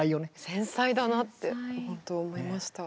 繊細だなってほんと思いました。